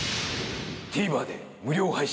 ＴＶｅｒで無料配信。